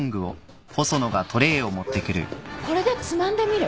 これでつまんでみる？